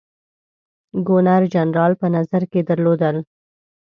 ګورنر جنرال په نظر کې درلودل.